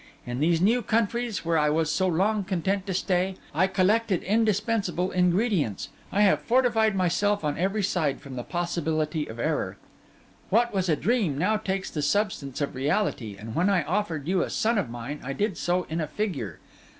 In these new countries, where I was so long content to stay, I collected indispensable ingredients; I have fortified myself on every side from the possibility of error; what was a dream now takes the substance of reality; and when I offered you a son of mine I did so in a figure.